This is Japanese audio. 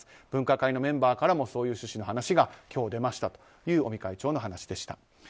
分科会のメンバーからもそういう趣旨の話が今日出ましたという尾身会長の話でした。